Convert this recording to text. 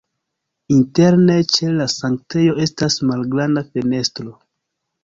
Interne ĉe la sanktejo estas malgranda fenestro.